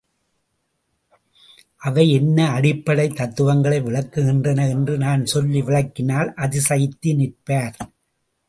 அவை என்ன என்ன அடிப்படைத் தத்துவங்களை விளக்குகின்றன என்று நான் சொல்லி விளக்கினால் அதிசயித்து நிற்பார்.